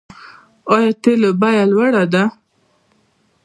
آیا د تیلو بیه لوړه ده؟